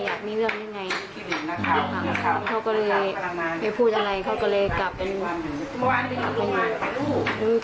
อยากมีเรื่องยังไงเขาก็เลยไม่พูดอะไรเขาก็เลยกลับกลับเข้าหมด